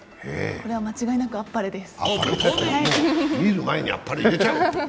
これは間違いなく、あっぱれです。